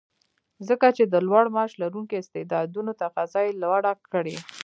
ځکه چې د لوړ معاش لرونکو استعدادونو تقاضا یې لوړه کړې